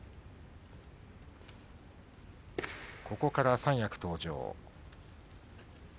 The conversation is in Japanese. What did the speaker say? ここから三役登場。